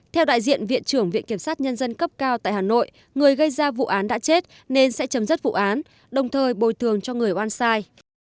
theo đại diện viện trưởng viện kiểm sát nhân dân cấp cao tại hà nội người gây ra vụ án đã chết nên sẽ chấm dứt vụ án đồng thời bồi thường cho người oan sai